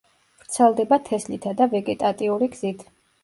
ვრცელდება თესლითა და ვეგეტატიური გზით.